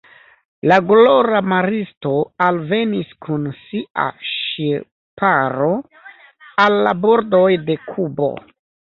La glora maristo alvenis kun sia ŝiparo al la bordoj de Kubo.